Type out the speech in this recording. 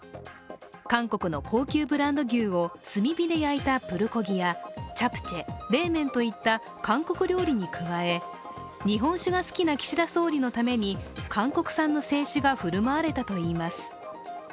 韓国の高級ブランド牛を炭火で焼いたプルコギやチャプチェ、冷麺といった韓国料理に加え日本酒が好きな岸田総理のために韓国産の清酒が振る舞われたといいます。